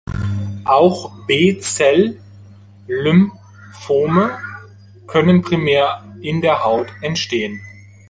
Auch B-Zell-Lymphome können primär in der Haut entstehen.